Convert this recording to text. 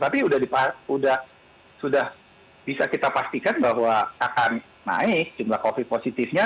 tapi sudah bisa kita pastikan bahwa akan naik jumlah covid positifnya